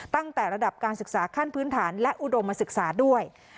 ตั้งแต่ระดับการศึกษาขั้นพื้นฐานและอุดมศึกษาด้วย